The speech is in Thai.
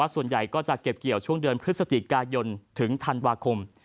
ส่วนใหญ่ก็จะเก็บเกี่ยวช่วงเดือนพฤศจิกายนถึงธันวาคม